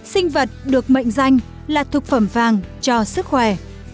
sinh vật được mệnh danh là thực phẩm vàng cho sức khỏe